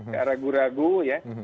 tidak ragu ragu ya